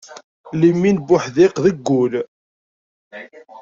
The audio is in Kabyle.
Limin n wuḥdiq, deg wul.